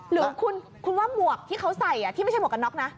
หรือคุณว่าหมวกที่เขาใส่ที่ไม่ใช่หมวกกันน็อกนะ